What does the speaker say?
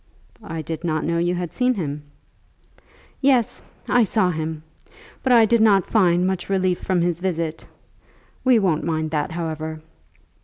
"I did not know you had seen him." "Yes; I saw him; but I did not find much relief from his visit. We won't mind that, however.